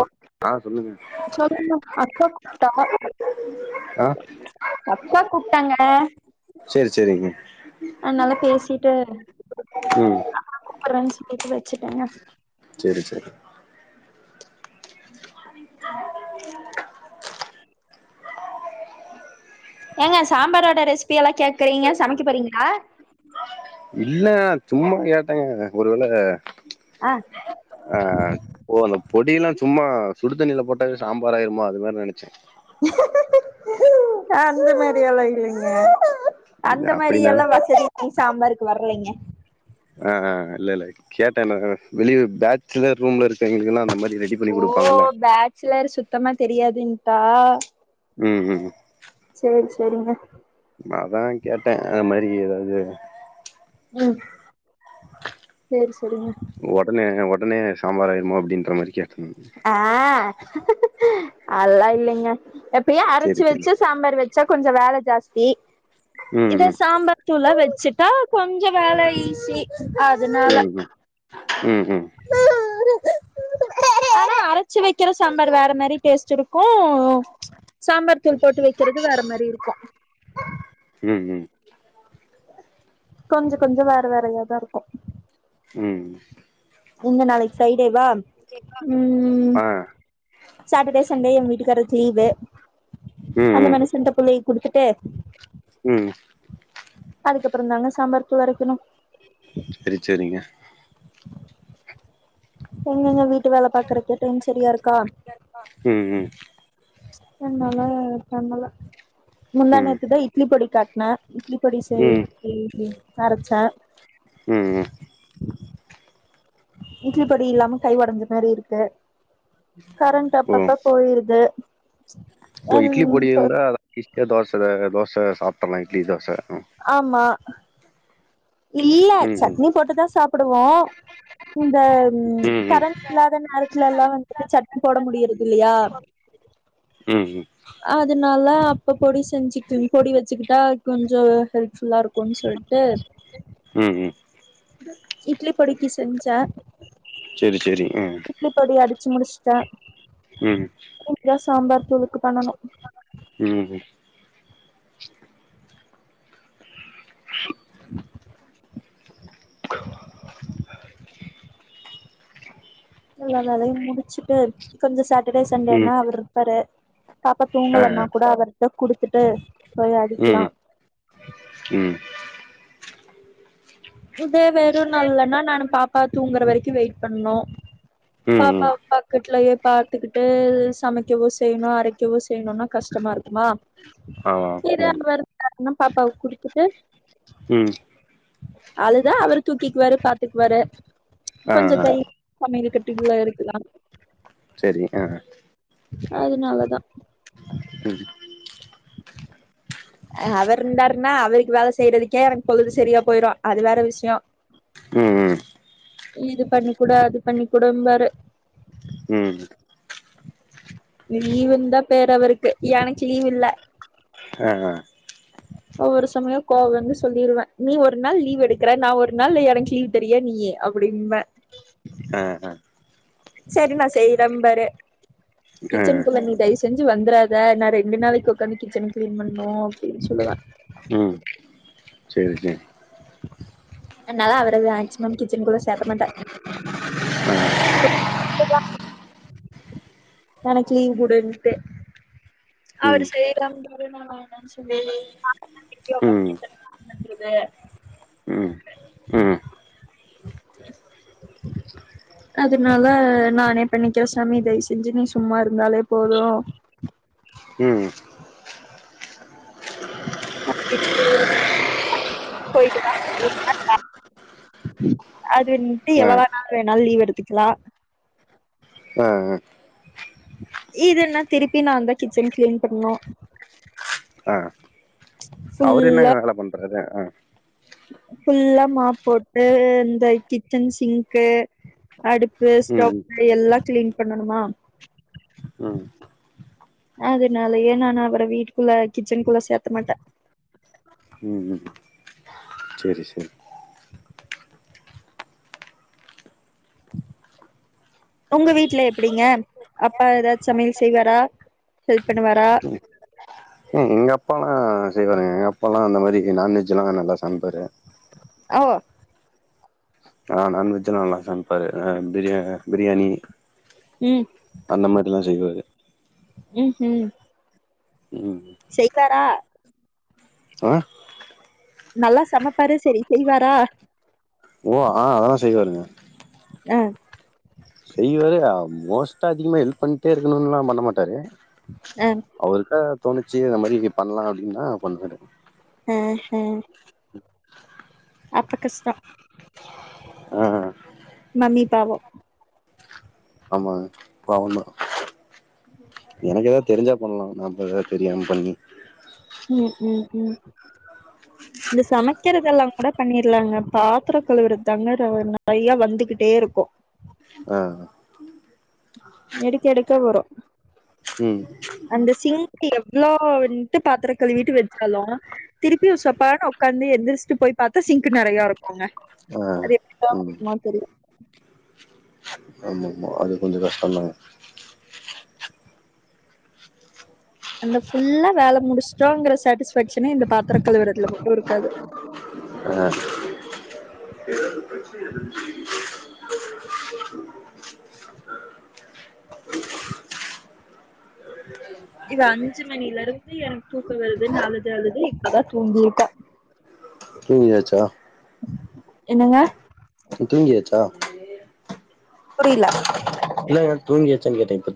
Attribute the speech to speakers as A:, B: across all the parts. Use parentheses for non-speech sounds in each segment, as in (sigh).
A: ஓ
B: ஆ சொல்லுங்க
A: சொல்லுங்க அக்கா கூப்ட்டா
B: ஆ
A: அக்கா கூப்ட்டாங்க
B: சேரி சேரிங்க
A: அதுனால பேசிட்டு
B: ம்
A: அம்மா கூப்பிட்றாங்கன்னு சொல்லிட்டு வச்சுட்டே
B: சரி சரி
A: ஏங்க சாம்பாரோட ரெசிபி எல்லா கேக்குறீங்க சமைக்க போறீங்களா
B: இல்லங்க சும்மா கேட்டேங்க ஒருவேள
A: அ
B: ஆ ஓ அந்த பொடியெல்லா சும்மா சுடு தண்ணியில போட்ட சாம்பாராயிருமா அது மாதிரி நினைச்ச
A: அந்த மாதிரில இல்லைங்க
B: இல்ல
A: அந்த மாதிரி
B: அப்டினால
A: எல்லா வசதி சாம்பாருக்கு வரலைங்க
B: ஆ இல்ல இல்ல கேட்ட வெளிய பேச்சிலர் ரூம்ல இருக்கவங்களுக்கெல்லா அந்த மாதிரி ரெடி பண்ணி கொடுப்பாங்கல்ல
A: சிலர் சுத்தமா தெரியாதுன்ட்டா
B: ம் ம்
A: சரி சரிங்க
B: அதா கேட்ட அது மாதிரி ஏதாவது
A: ம் சரி சரிங்க
B: உடனே உடனே சாம்பாராயிருமா அப்டின்ற மாதிரி கேட்டங்க
A: ஆ அதல்லா இல்லைங்க எப்பயே
B: சேரி
A: அரைச்சு
B: சேரி
A: வச்சு சாம்பார் வச்சா கொஞ்ச வேல ஜாஸ்தி
B: ம்
A: இத சாம்பார் தூள வச்சுட்டா கொஞ்ச வேல ஈசி அதுனா
B: ம் ம் ம் ம்
A: ஆனா அரச்சு வைக்கிற சாம்பார் வேற மாதிரி டேஸ்ட் இருக்கு சாம்பார் தூள் போட்டு வைக்கிறது வேற மாதிரி இருக்கு
B: ம் ம்
A: கொஞ்ச கொஞ்ச வேற வேறயாதா இருக்கு
B: ம்
A: எங்க நாளைக்கு ஃப்ரைடே வா
B: ம்
A: ம்
B: ஆ
A: சாட்டர்டே சண்டே எங்க வீட்டுக்காருக்கு லீவு
B: ம்
A: அந்த
B: ம்
A: மனச ண்ட பிள்ளைய கொடுத்துட்டு
B: ம்
A: அதுக்கப்புற தாங்க சாம்பார் தூள் அரைக்கணு
B: சரி சரிங்க
A: எங்கங்க வீட்டு வேல பாக்குறக்கு டைம் சரியா இருக்கா
B: ம் ம்
A: ச ரெண்டு நால பண்ணல
B: ம்
A: முந்தனேத்து தா இட்லி பொடி காட்டுனா இட்லி பொடி செய்
B: ம்
A: அரச்ச
B: ம் ம்
A: இட்லி பொடி இல்லாம க வோடஞ்ச மாரி இருக்கு கரண்ட்
B: ஓ
A: அப்ப அப்ப போயிடுது
B: ஓ இட்லி பொடி இருந்தா அத ஈசியா தோச தோச சாப்பிடரலா இட்லி தோச
A: ஆமா இல்ல
B: ம்
A: சட்னி போட்டுதா சாப்புடுவோ இந்த ம் கரண்ட் இல்லாத நாள் ட்ல எல்லா வந்துட்டு சட்னி போட முடியிறது இல்லியா
B: ம் ம்
A: அதுனால இப்போ பொடி செஞ்சுக்கு பொடி வச்சுக்கிட்டா கொஞ்சோ ஹெல்ப் ஃபுல்லா இருக்குன் சொல்ட்டு
B: ம் ம்
A: இட்லி பொடிக்கி செஞ்ச
B: செரி செரி அ
A: இட்லி பொடி அடிச்சு முடிச்சுட்ட
B: ம்
A: தூளுக்கு பண்ணனு
B: ம் ம் (inaudible)
A: எல்லா வேலையு முடிச்சுட்டு கொஞ்சோ சேட்டடே
B: ம் ம்.
A: சண்டேனா அவருப்பாரு பாப்பா
B: ஆ
A: தூங்கலனா
B: ஆ
A: கூட அவர்ட்ட குடுத்துட்டு போய் அடிக்கிலா
B: ம் ம்
A: இதே வேற ஒரு நாள்லனா நானு பாப்பா தூங்குற வரைக்கு வெயிட் பண்ணோ
B: ம்
A: பாப்பா
B: ம்
A: ஆ பெட்லயே பாத்துக்கிட்டு சமைக்கவோ செய்யணு அரைக்கவு செய்யணுனா கஷ்டமா இருக்குமா
B: ஆமா
A: (inaudible)
B: ம்
A: இன்னு பாப்பாவு குடுத்துட்டு
B: ம்
A: அதுதா அவரு தூக்கிக்குவாரு பாத்துக்குவாரு
B: ஆ
A: கொஞ்ச
B: ஆ
A: தண் சமையல் கட்டுக்குள்ளே இருக்கலா
B: செரி அ
A: அதுனால தா
B: ம்
A: (inaudible) ஆ அவருந்தாருன்னா அவருக்கு வேல செய்றதுக்கே எனக்கு பொழுது சரியா போய்ரு அது வேற விஷ்யோ
B: ம் ம்
A: நீ இது பண்ணி குடு அது பண்ணி குடும்பாரு
B: ம் ம்
A: லீவுன் தா பேர் அவருக்கு எனக்கு லீவ் இல்ல
B: அ அ
A: ஒவ்வொரு சமய கோவ வந்து சொல்லிருவ நீ ஒரு நாள் லீவ் எடுக்கற நா ஒரு நாள் எனக்கு லீவ் தரியா நீயு அப்பிடின்பே
B: அ அ
A: செரி நா செய்றம்பாரு
B: ஆ
A: கிச்சன்க்குள்ள நீ தயவு செஞ்சு வந்துறாத நா ரெண்டு நாளைக் உக்காந்து கிச்சன கிளீன் பண்ணு அப்டின் சொல்லுவ
B: ம் செரி செ
A: அன்னால அவர மேக்ஸிமம் கிச்சனுக்குள்ள சேத்த மாட்ட அப்டிதா எனக்கு லீவ் குடுன்ட்டு அவரு
B: ம்
A: செய்றேம்பாரு நா வேண்டான் சொ ல்வே
B: ம்
A: (inaudible)
B: ம்
A: பண்றது
B: ம் அ
A: (inaudible) அதுனால நானே பண்ணிக்கிற சாமி தயவு செஞ்சு நீ சும்மா இருந்தாலே போது
B: ம்
A: (inaudible) போய்டுவ (inaudible) அது வன்ட்டு
B: ஆ
A: எவ்ள நாள் வேணாலு லீவ் எடுத்துக்கலா
B: ஆ
A: இதுனா திருப்பி நா தா கிச்சன் கிளீன் பண்ணு
B: ஆ அவரு என்னங்க
A: ஃபுல்லா
B: வேல பண்றாரு அ
A: ஃபுல்லா மாப் போட்டு இந்த கிச்சன் சிங்க்கு அடுப்பு
B: ம்
A: ஸ்டவ்வு எல்லா கிளீன் பண்ணணுமா
B: ம் ம்
A: அதுனாலயே நான் அவர வீட்டுக்குள்ள கிச்சனுக்குள்ள சேத்த மாட்ட
B: ம் ம் செரி செரி
A: உங்க வீட்ல எப்டிங்க அப்பா ஏதாச் சமையல் செய்வாரா ஹெல்ப் பண்ணுவாரா
B: ம் எங்க அப்பாலா அ செய்வாங்கங்க அப்பாலா அந்த மாரி நான் வெஜ்லா நல்லா சமைப்பாரு
A: ஓ
B: ஆ நான் வெஜ்ல்லா நல்லா சமைப்பாரு அ பிரியா பிரியாணி
A: ம்
B: அந்த மாரில்லா செய்வாரு
A: ம் ம்
B: ம்
A: செய்வாரா
B: ஆ
A: நல்லா சமைப்பாரு செரி செய்வாரா
B: ஓ ஆ அதெல்லா செய்வாருங்க
A: ஆ
B: செய்வாரு மோஸ்ட்டா அதிகமா ஹெல்ப் பண்ணிட்டே இருக்கனுன்லா பண்ண மாட்டாரு
A: ஆ
B: அவருக்கா தோணிச்சி இந்த மாரி பண்லா அப்டின்னா பண்வாரு
A: ம் ம் அப்ப கஷ்டோ
B: ஆ
A: மம்மீ பாவோ
B: ஆமாங்க பாவோந்தா எனக்கு எதா தெரிஞ்சா பண்லா நாம்ப எ தெரியாம பண்ணி
A: ம் ம் ம் இந்த சமைக்கிறதெல்லா கூட பண்ணிர்லாங்க பாத்ரோ கழுவுற தாங்க நெறைய வந்துகிட்டே இருக்கு
B: ஆ
A: எடுக்க எடுக்க வரு
B: ம்
A: அந்த சிங்க் எவ்ளோ வன்ட்டு பாத்ரோ கழுவீட்டு வெச்சாலு திருப்பியு சப்பானு உக்காந்து எந்திரிச்சிட்டு போய் பாத்தா சிங்க் நெறையா இருக்குங்க
B: ஆ
A: அது எப்டி தா (inaudible) தோழி
B: ஆமா ஆமா அது கொஞ்ச கஷ்ட தாங்க
A: அந்த ஃபுல்லா வேல முடிச்ட்டோங்கற சாட்டிஸ்பேக்க்ஷனே இந்த பாத்திர கழுவரதுல மட்டு இருக்காது
B: அ
A: இவ அஞ்சு மணில இருந்து எனக்கு தூக்க வருது அழுது அழுது இப்பதா தூங்கியிருக்க
B: தூங்கியாச்சா
A: என்னங்க
B: தூங்கியாச்சா
A: புரில
B: இல்ல தூங்கியாச்சா கேட்ட இப்ப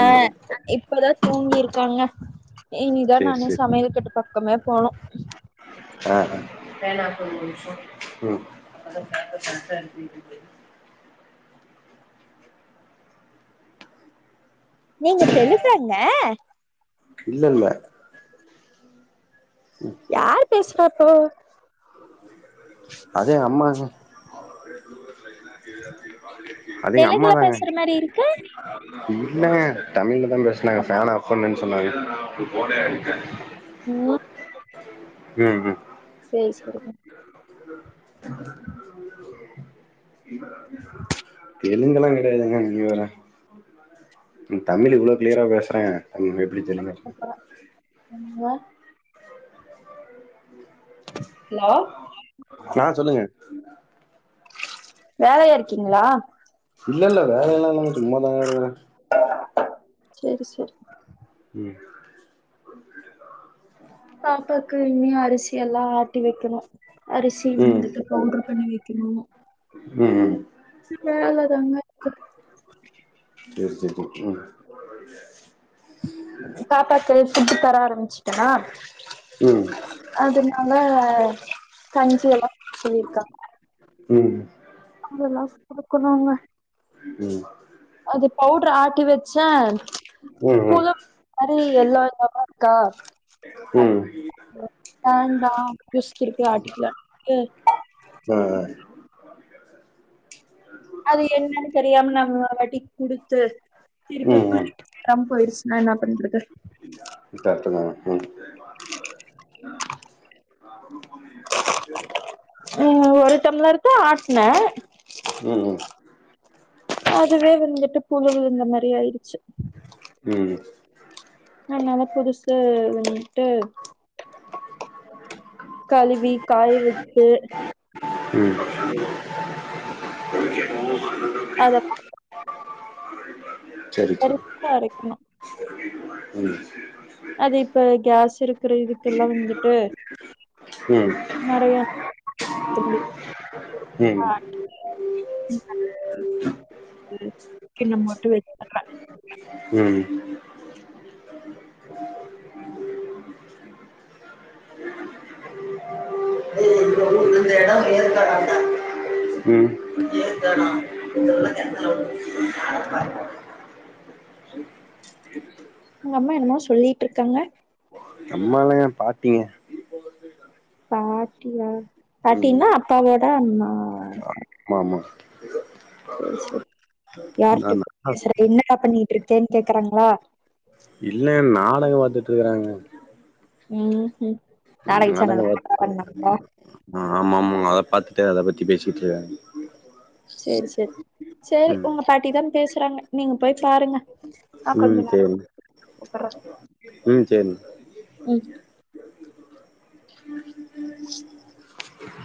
A: ஆ
B: கேட்ட
A: இப்பதா தூங்கிருக்காங்க இனிதா
B: கேட்டே சேரி
A: நானு
B: சேரி
A: சமையல்கட்டு பக்கமே போனு
B: ஆ
A: நீங்க தெலுங்கா க
B: இல்ல இல்ல
A: யார் பேசுறப்போ
B: அதே அம்மா அது எங்க
A: தெலுங்குல
B: அம்மாதாங்க
A: பேசுற மாரி இருக்கு
B: இல்லங்க தமிழ்லதா பேசனாங்க ஃபேன் ஆஃப் பண்ணுனு சொன்னாங்க
A: உ (inaudible)
B: ம் ம்
A: சரி சரி
B: தெலுங்குல்லா கிடையாதுங்க நீ வேற தமிழ் இவ்ளோ கிளியரா பேசுற (unintelligible) மே
A: எங்க ஹலோ
B: ஆ சொல்லுங்க
A: வேலையா இருக்கீங்களா
B: இல்ல இல்ல வேலை எல்லா இல்லங்க சும்மாதாங்க இருக்குற
A: சரி சரி
B: ம்
A: பாப்பாக்கு இனியு அரிசி எல்லா ஆட்டி வைக்கணு அரிசி
B: ம்
A: வந்துட்டு போட்ற பண்ணி வைக்கணு
B: ம் ம்
A: வேல தங்க
B: சரி்சரி ம்
A: பாப்பாக்கு ஃபுட்டு தர ஆரம்பிச்சுட்டனா
B: ம்
A: அதனால கஞ்சி எல்லா சொல்லிருக்கா
B: ம்
A: அதெல்லா குடுக்கணூங்க
B: ம்
A: அது பவுடர் ஆத்தி வச்ச
B: ஆ ஆ
A: புலு (inaudible) மாரி எல்லா இல்லாம இருக்கா (inaudible) வேண்டா (inaudible) ஆட்டிக்ல
B: அ அ
A: அது என்னன்னு தெரியாம நம்ம வாட்டிக் குடுத்து
B: ம்
A: திருப்பி
B: ம்
A: (inaudible) போயிருச்சுன்னா என்னா பண்றது
B: இ த அர்த்ததான ம்
A: ம் ஒரு டம்ளருக்கு ஆட்னே
B: ம் ம்
A: அதுவே வெந்துட்டு புழு இந்தமேறி ஆயிடுச்சி
B: ம்
A: அதனால புதுசு வந்துட்டு கழுவி காய வச்சு
B: ம்
A: அத பாத்
B: சரி சரி
A: கருப்பா இருக்குமா
B: ம்
A: அது இப்ப கேஸ் இருக்குற இதுக்கெல்லாமக்ஷ வந்துட்டு
B: ம்
A: நெறையா இப்டி
B: ம்
A: (unintelligible) கின்ன மட்டு (unintelligible)
B: ம் ஏ இப்ப இந்த எடோ (inaudible) ம்
A: உங்க அம்மா என்னமோ சொல்லிட்டு இருக்காங்க
B: நம்மள பாட்டிங்க
A: பாட்டியா
B: ம்
A: பாட்டினா அப்பாவோட அம்மா
B: மாமா
A: சேர் சேரி
B: நா
A: யாருட்ட
B: நா
A: பேசி என்னடா பண்ணிட்டு இருக்கேன்னு கேக்குறாங்களா
B: இல்ல நாடகம் பாத்துட்டுருக்கறாங்க
A: ம் நாடக சேனல
B: நாடகோ பாத்து
A: (unintelligible)
B: ஆ ஆமா ஆமா ம் அத பாத்துட்டு அத பத்தி பேசிட்டு இருக்காங்க
A: சேரி சேரி சேரி
B: ம்
A: உங்க பாட்டி தா பேசுறாங்க நீங்க போய் பாருங்க ஆ
B: ம்
A: கொஞ்சம் நேர
B: சேரிங்க
A: (inaudible) க்கர
B: ம் சேரி
A: ம்